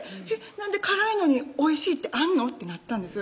なんで辛いのにおいしいってあんの？ってなったんです